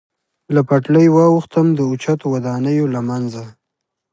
له پټلۍ واوښتم، د اوچتو ودانیو له منځه.